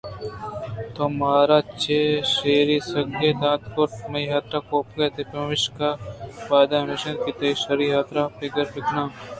تو مارا پہ شرّی سکین دات کرت مئےحاترا کوپگے اِتئے پمشکا مئے باید ہمیش اَت کہ تئی شرّیءِحاترا پگر بہ کنیں